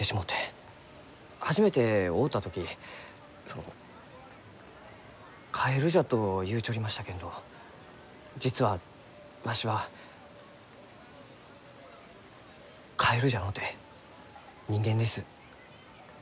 初めて会うた時その「カエルじゃ」と言うちょりましたけんど実はわしはカエルじゃのうて人間です。